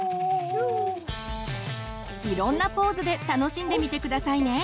いろんなポーズで楽しんでみて下さいね。